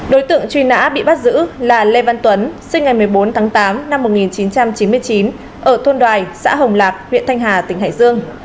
đối tượng truy nã bị bắt giữ là lê văn tuấn sinh ngày một mươi bốn tháng tám năm một nghìn chín trăm chín mươi chín ở thôn đoài xã hồng lạc huyện thanh hà tỉnh hải dương